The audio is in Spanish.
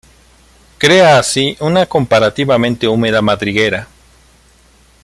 Crea así una comparativamente húmeda madriguera.